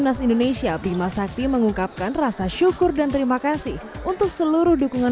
timnas indonesia bima sakti mengungkapkan rasa syukur dan terima kasih untuk seluruh dukungan